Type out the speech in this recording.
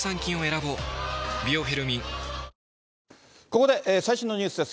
ここで最新のニュースです。